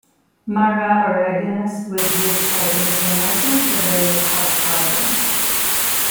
"Marah oreganus" was used by the Native Americans for various health problems.